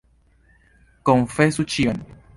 Konfesu ĉion.